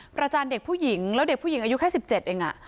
จานเด็กผู้หญิงแล้วเด็กผู้หญิงอายุแค่๑๗เอง